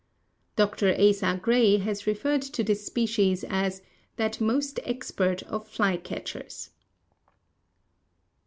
Dr. Asa Gray has referred to this species as "that most expert of fly catchers."